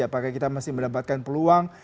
apakah kita masih mendapatkan peluang